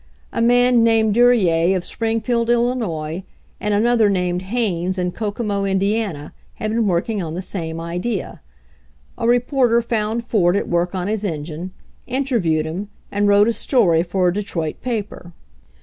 A man named Duryea of Springfield, 111., and another named Haynes, in Kokomo, Ind., had been working on the same idea. A reporter found Ford at work on his en gine, interviewed him and wrote a story for a Detroit paper.